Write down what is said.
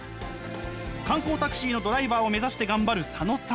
観光タクシーのドライバーを目指して頑張る佐野さん。